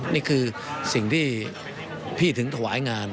นี่คือสิ่งที่พี่ถึงถวายงาน